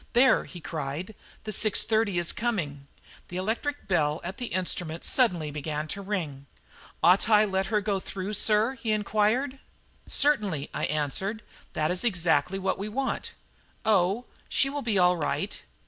"There," he cried, "the 6.30 is coming." The electric bell at the instrument suddenly began to ring. "Ought I to let her go through, sir?" he inquired. "Certainly," I answered. "That is exactly what we want. Oh, she will be all right."